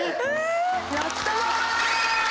やったー！